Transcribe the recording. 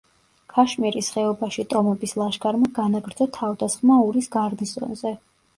ქაშმირის ხეობაში ტომების ლაშქარმა განაგრძო თავდასხმა ურის გარნიზონზე.